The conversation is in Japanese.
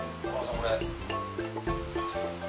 これ。